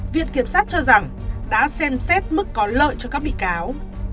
viện kiểm sát cho rằng đã xem xét mức có lợi cho các bị cáo